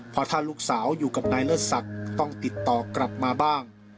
เพราะถ้าลูกสาวอยู่กับนายเลิศศักดิ์ต้องติดต่อกลับมาบ้าง